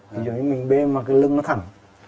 ví dụ như mình bê mà cái lưng nó thẳng